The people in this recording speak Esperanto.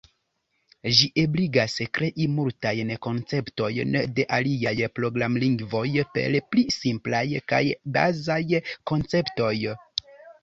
Ĝi ebligas krei multajn konceptojn de aliaj programlingvoj per pli simplaj kaj bazaj konceptoj.